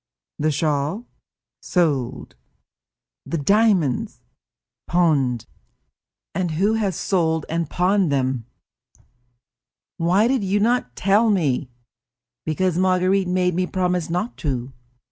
"The shawl?" "Sold." "The diamonds?" "Pawned." "And who has sold and pawned them?" "I." "Why did you not tell me?" "Because Marguerite made me promise not to."